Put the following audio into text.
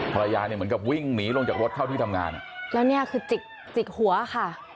ภรรยาเหมือนกับวิ่งหนีลงจากรถเข้าที่ทำงานแล้วนี่คือจิกหัวค่ะ